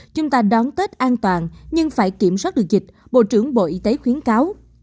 chúng ta đón tết an toàn nhưng phải kiểm soát được dịch bộ trưởng bộ y tế khuyến cáo